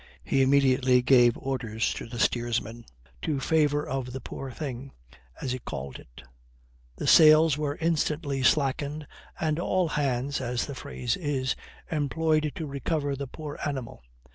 He immediately gave orders to the steersman in favor of the poor thing, as he called it; the sails were instantly slackened, and all hands, as the phrase is, employed to recover the poor animal.